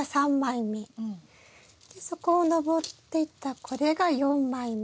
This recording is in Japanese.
そこを上っていったこれが４枚目。